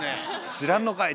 知らんのかい！